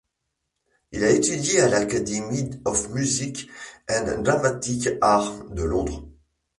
Il a étudié à la Academy of Music and Dramatic Art de Londres.